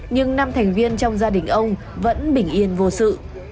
nhưng năm thành viên trong gia đình ông vẫn bình yên vô sự